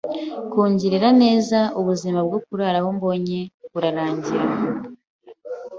kungirira neza ubuzima bwo kurara aho mbonye burarangira,